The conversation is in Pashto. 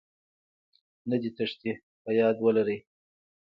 نه دې تېښتې.په ياد ولرئ